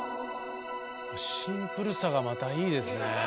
シンプルさがまたいいですねえ。